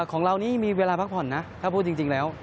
ของเรานี่มีเวลาพักผ่อนนะถ้าพูดจริงแล้ว